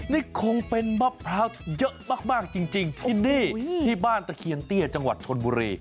นี่คงเป็นมะพร้าวเยอะมากจริงที่นี่ที่บ้านตะเคียนเตี้ยจังหวัดชนบุรี